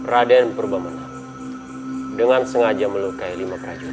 radaen purba menak dengan sengaja melukai lima prajurit